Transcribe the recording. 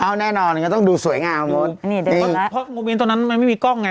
เอาแน่นอนก็ต้องดูสวยงามหมดนี่เพราะโมเมนต์ตรงนั้นมันไม่มีกล้องไง